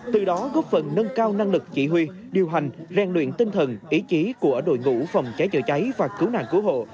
từ đó góp phần nâng cao năng lực chỉ huy điều hành rèn luyện tinh thần ý chí của đội ngũ phòng cháy chữa cháy và cứu nạn cứu hộ